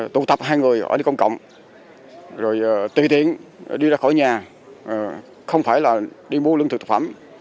tụ tập hai người ở nơi công cộng rồi tùy tiện đi ra khỏi nhà không phải là đi mua lương thực thực phẩm